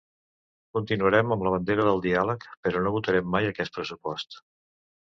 Continuarem amb la bandera del diàleg, però no votarem mai aquest pressupost.